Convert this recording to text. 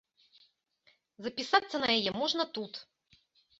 Запісацца на яе можна тут.